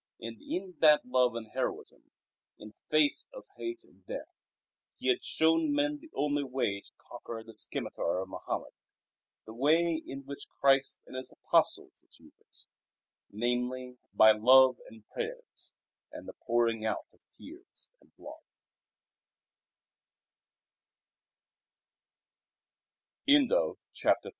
And in that love and heroism, in face of hate and death, he had shown men the only way to conquer the scimitar of Mohammed, "the way in which Christ and His Apostles achieved it, namely, by love and prayers, and the pouring out of